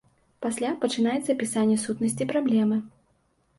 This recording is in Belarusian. Пасля пачынаецца апісанне сутнасці праблемы.